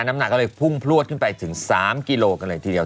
น้ำหนักก็เลยพุ่งพลวดขึ้นไปถึง๓กิโลกันเลยทีเดียว